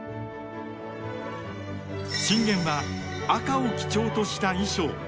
信玄は赤を基調とした衣装。